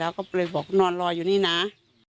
แล้วก็เลยบอกนอนรออยู่นี่นะ